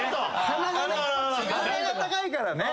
鼻が高いからね